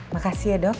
makasih ya dok